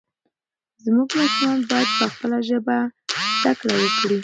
زموږ ماشومان باید په خپله ژبه زده کړه وکړي.